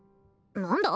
何だ？